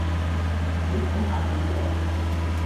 你睇下幾正